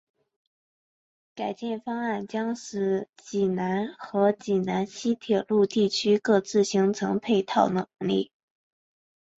改建方案将使济南和济南西铁路地区各自形成配套能力。